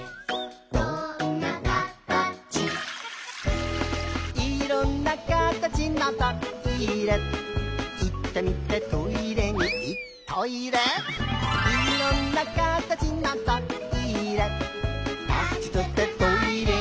「どんなかたち」「いろんなかたちのトイレ」「行って見てトイレに行っトイレ」「いろんなかたちのトイレ」「トイレ！」